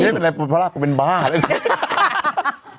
ทีนี้ไม่เป็นอะไรกดใบโพล่าผมเป็นบ้าเลย